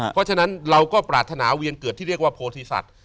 เพราะฉะนั้นเราก็ปรารถนาเวียนเกิดที่เรียกว่าโพธิสัตว์